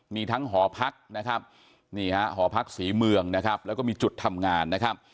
มีทั้งหอพักหอพักศรีเมืองแล้วก็มีจุดทำงาน